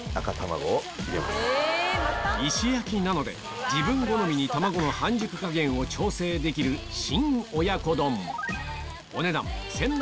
石焼きなので自分好みに卵の半熟加減を調整できる新親子丼